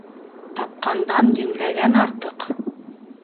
Тапҡандан йүнләгән артыҡ.